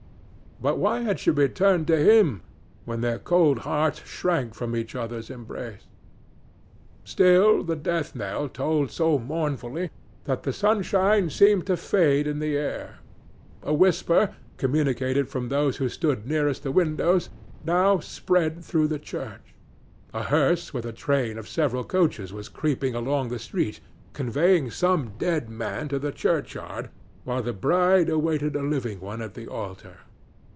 But why had she returned to him when their cold hearts shrank from each other's embrace? Still the death bell tolled so mournfully that the sunshine seemed to fade in the air. A whisper, communicated from those who stood nearest the windows, now spread through the church: a hearse with a train of several coaches was creeping along the street, conveying some dead man to the churchyard, while the bride awaited a living one at the altar.